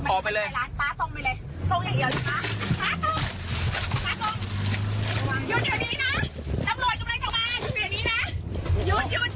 ช่วยด้วยช่วยด้วย